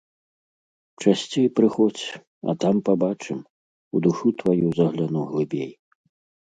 Часцей прыходзь, а там пабачым, у душу тваю загляну глыбей.